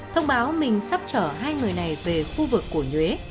thông báo mình sắp chở hai người này về khu vực của nhau